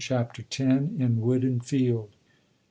CHAPTER X. IN WOOD AND FIELD.